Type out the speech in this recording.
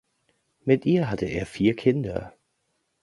Mit ihr hatte er vier Kinder